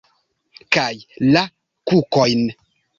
Kaj la kukojn?